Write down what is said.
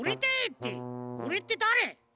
っておれってだれ？